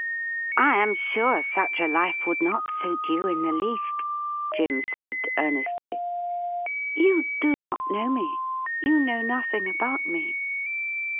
' I am sure such a life would not suit you in the least,' Jim said earnestly. ' You do not know me — ^you know nothing about me.'